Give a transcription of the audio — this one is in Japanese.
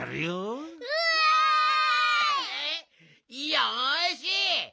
よし。